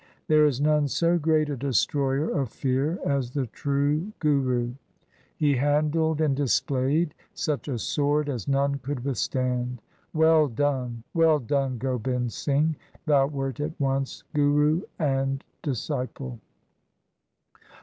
There is none so great a destroyer of fear as the true Guru. He handled and displayed such a sword as none could withstand. Well done ! well done Gobind Singh ! thou wert at once Guru and disciple